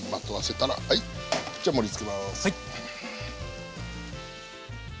はいじゃ盛りつけます。